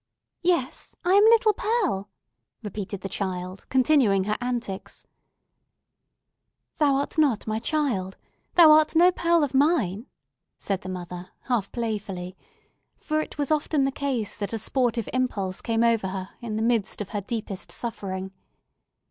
"Yes; I am little Pearl!" repeated the child, continuing her antics. "Thou art not my child! Thou art no Pearl of mine!" said the mother half playfully; for it was often the case that a sportive impulse came over her in the midst of her deepest suffering.